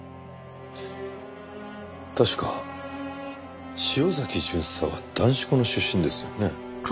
確か潮崎巡査は男子校の出身ですよね？